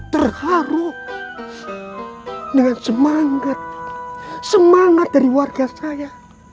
terharu dengan semangat semangat dari warga saya